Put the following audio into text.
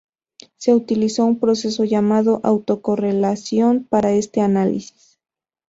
Se utilizó un proceso llamado autocorrelación para este análisis.